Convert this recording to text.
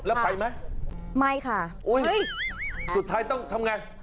แล้วไปไหมไม่ค่ะสุดท้ายต้องทำยังไง